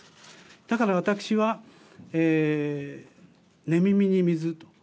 だから私は寝耳に水と。